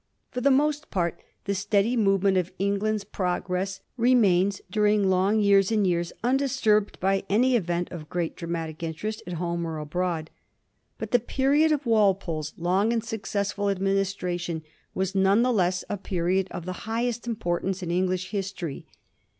For the most part, the steady movement of England's progress remains during long years and years undisturbed by any event of great dramatic interest at home or abroad. But the period of Wal pole's long and successful administration was none the less a period of the highest importance in Eng lish history.